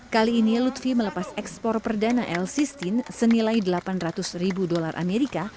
kali ini lutfi melepas ekspor perdana l sistin senilai rp delapan ratus